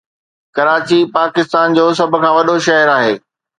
ڪراچي پاڪستان جو سڀ کان وڏو شھر آهي.